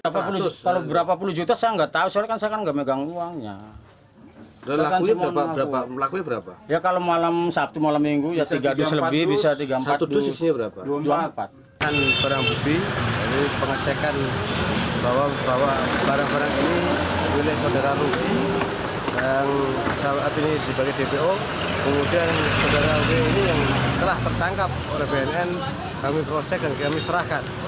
pemilik saudara rudy yang saat ini dibagi dpo kemudian saudara rudy ini yang telah tertangkap oleh bnn kami proses dan kami serahkan